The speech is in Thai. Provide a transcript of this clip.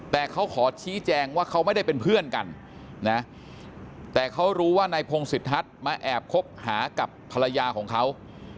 แต่เขาขอชี้แจงว่าเขาไม่ได้เป็นเพื่อนกันนะแต่เขารู้ว่านายพงศิษทัศน์มาแอบคบหากับภรรยาของเขา